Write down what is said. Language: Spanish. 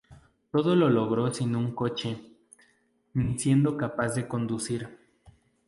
Todo lo logró sin un coche, ni siendo capaz de conducir.